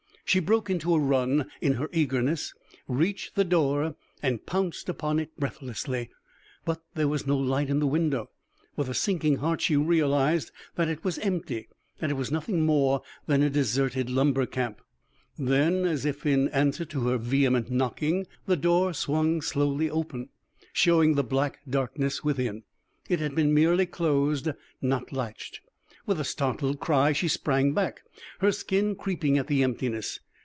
She broke into a run in her eagerness, reached the door, and pounced upon it breathlessly. But there was no light in the window. With a sinking heart she realized that it was empty that it was nothing more than a deserted lumber camp. Then, as if in answer to her vehement knocking, the door swung slowly open, showing the black darkness within. It had been merely closed, not latched. With a startled cry she sprang back, her skin creeping at the emptiness.